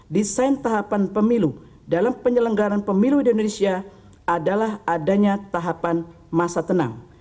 desain tahapan pemilu dalam penyelenggaran pemilu di indonesia adalah adanya tahapan masa tenang